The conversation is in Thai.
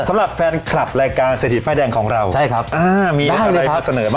สำหรับแฟนคลับรายการเศรษฐีไฟดางของเราอ่ามีอะไรมาเสนอบ้างครับได้ดีครับ